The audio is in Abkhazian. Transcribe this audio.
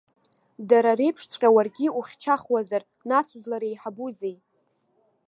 Дара реиԥшҵәҟьа уаргьы ухьчахуазар, нас узлареиҳабузеи?!